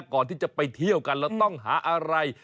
ก่อนที่จะไปเที่ยวกันแล้วต้องหาอะไร